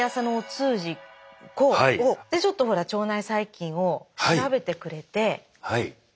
でちょっとほら腸内細菌を調べてくれて。ね。